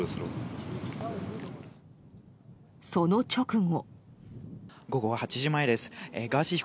その直後。